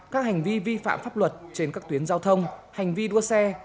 các hành vi vi phạm pháp luật trên các tuyến giao thông hành vi đua xe